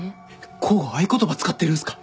甲賀合言葉使ってるんすか？